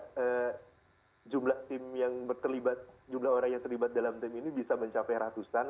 karena jumlah tim yang terlibat jumlah orang yang terlibat dalam tim ini bisa mencapai ratusan